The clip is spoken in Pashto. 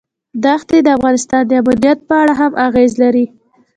دښتې د افغانستان د امنیت په اړه هم اغېز لري.